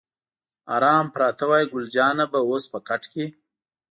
آرام پراته وای، ګل جانه به اوس په کټ کې.